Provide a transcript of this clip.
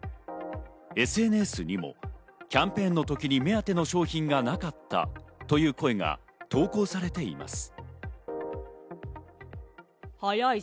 ＳＮＳにもキャンペーンの時に目当ての商品がなかったという声が投稿されています。